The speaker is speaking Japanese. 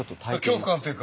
恐怖感というか。